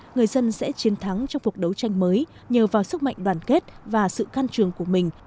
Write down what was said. người dân sẽ chiến thắng trong cuộc đấu tranh mới nhờ vào sức mạnh đoàn kết và sự can trường của mình